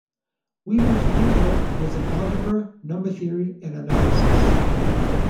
Weber's main work was in algebra, number theory, and analysis.